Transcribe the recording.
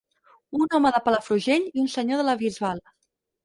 Un home de Palafrugell i un senyor de la Bisbal.